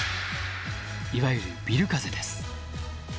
いわゆるビル風です。